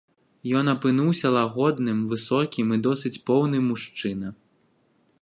Ён апынуўся лагодным, высокім і досыць поўны мужчына.